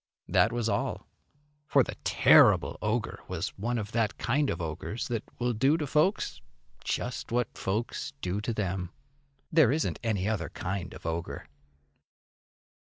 That was all. For the terrible ogre was one of that kind of ogres that will do to folks just what folks do to them. There isn't any other kind of ogre.